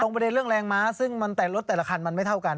ประเด็นเรื่องแรงม้าซึ่งแต่รถแต่ละคันมันไม่เท่ากัน